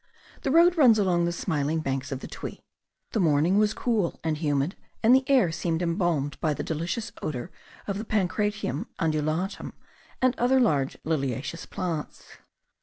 The road runs along the smiling banks of the Tuy; the morning was cool and humid, and the air seemed embalmed by the delicious odour of the Pancratium undulatum, and other large liliaceous plants.